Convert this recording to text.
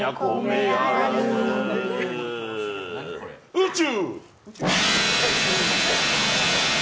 宇宙！